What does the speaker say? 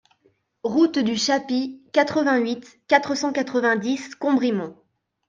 Route du Chapis, quatre-vingt-huit, quatre cent quatre-vingt-dix Combrimont